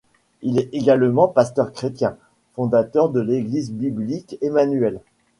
Il est également pasteur chrétien, fondateur de l'Église Biblique Emmanuel.